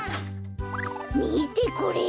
みてこれ！